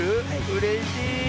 うれしい。